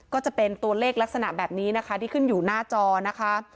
ก็จะเป็นตัวเลขลักษณะแบบนี้นะคะที่ขึ้นอยู่หน้าจอนะคะ